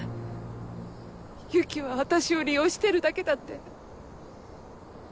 由紀は私を利用してるだけだって。